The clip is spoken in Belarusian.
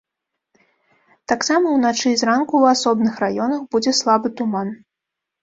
Таксама ўначы і зранку ў асобных раёнах будзе слабы туман.